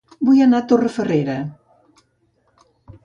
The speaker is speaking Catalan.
Vull anar a Torrefarrera